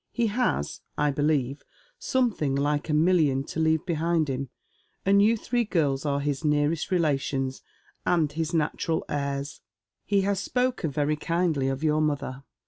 He has, I believe, something like a million to leave beliind him, and you three girls are his nearest relations, and his natural heirs. He has spoken very kindly of your mother.